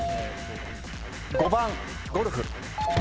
５番ゴルフ。